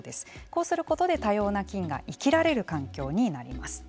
こうすることで多様な菌が生きられる環境になります。